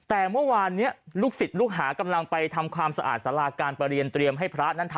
แต่เมื่อวานนี้ลูกศิษย์ลูกหากำลังไปทำความสะอาดสาราการประเรียนเตรียมให้พระนั้นทำ